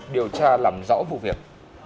điều tra làm rõ vụ việc